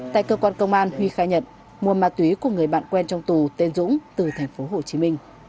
tại cơ quan công an huy khai nhận muôn ma túy của người bạn quen trong tù tên dũng từ tp hcm